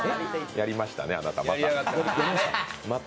やりましたね、あなた。